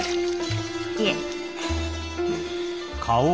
いえ。